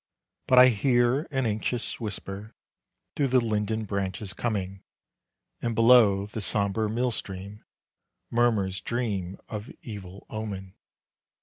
But I hear an anxious whisper Through the linden branches coming, And below, the somber mill stream Murmurs dreams of evil omen.